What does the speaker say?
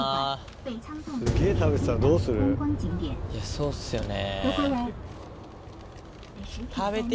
そうですよね。